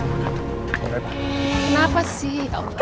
kenapa sih ya allah